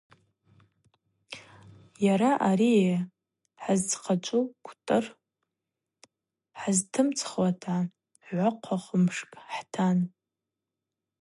Йара арии хӏыздзхъачӏву къвтыр хӏызтымцӏхуата гӏвахъагӏвымш хӏтан.